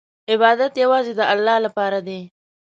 عبادت یوازې د الله لپاره دی.